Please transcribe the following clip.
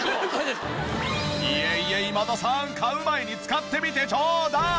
いえいえ今田さん買う前に使ってみてちょうだい！